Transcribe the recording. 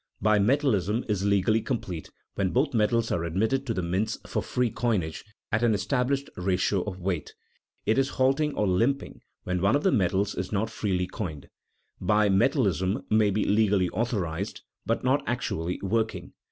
_ Bimetallism is legally complete when both metals are admitted to the mints for free coinage at an established ratio of weight; it is halting or limping when one of the metals is not freely coined. Bimetallism may be legally authorized, but not actually working.